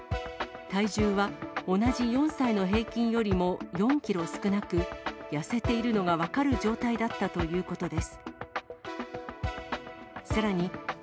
体重は同じ４歳の平均よりも４キロ少なく、痩せているのが分かる状態だったということです。